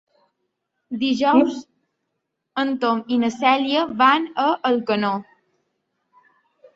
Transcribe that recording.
Dijous en Tom i na Cèlia van a Alcanó.